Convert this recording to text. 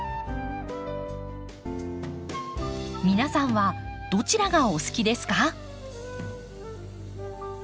皆さんはどちらがお好きですか？